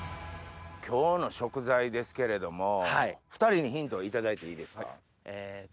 今日の食材ですけれども２人にヒントを頂いていいですか？